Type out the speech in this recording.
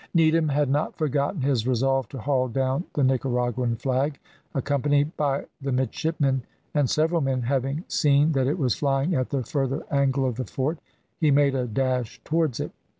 Needham had not forgotten his resolve to haul down the Nicaraguan flag. Accompanied by the midshipmen and several men, having seen that it was flying at the further angle of the fort, he made a dash towards it.